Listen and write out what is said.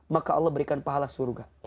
maka allah berikan pahala surga